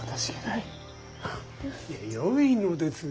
いやよいのです。